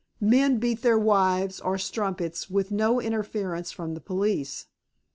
Men beat their wives or strumpets with no interference from the police.